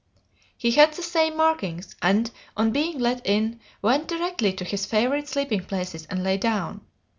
He had the same markings, and on being let in, went directly to his favorite sleeping places and lay down.